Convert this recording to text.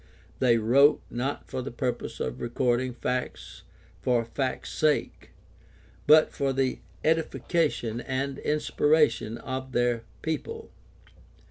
They wrote, not for the purpose of recording facts for fact's sake, but for the edification and inspiration of their people.